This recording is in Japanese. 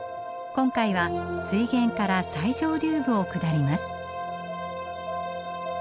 今回は水源から最上流部を下ります。